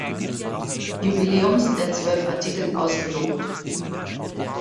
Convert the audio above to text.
Jubiläums der Zwölf Artikel ausgelobt.